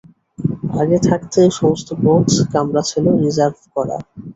আগে থাকতে সমস্ত পথ কামরা ছিল রিজার্ভ-করা।